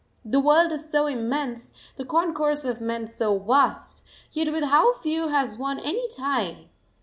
The world is so immense, the concourse of men so vast, yet with how few has one any tie!